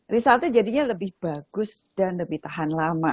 resultnya jadinya lebih bagus dan lebih tahan lama